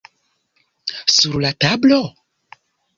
Sur la tablo?